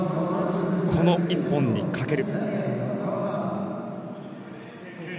この一本にかける。